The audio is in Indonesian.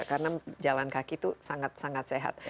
karena jalan kaki itu sangat sangat sehat